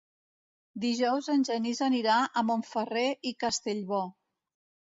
Dijous en Genís anirà a Montferrer i Castellbò.